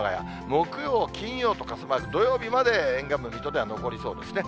木曜、金曜と傘マーク、土曜日まで、沿岸部、水戸では残りそうですね。